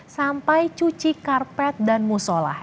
sampai cuci karpet dan musola